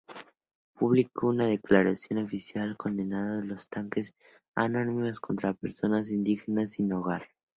Publicó una declaración oficial condenando los ataques anónimos contra personas indígenas sin hogar.